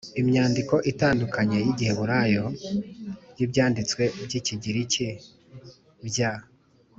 imyandiko itandukanye y igiheburayo y Ibyanditswe by ikigiriki bya